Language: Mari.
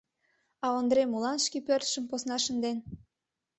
А Ондре молан шке пӧртшым посна шынден?